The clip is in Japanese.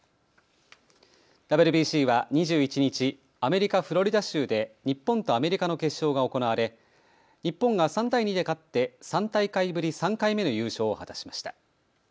ＷＢＣは２１日、アメリカ・フロリダ州で日本とアメリカの決勝が行われ日本が３対２で勝って３大会ぶり３回目の優勝を果たしました。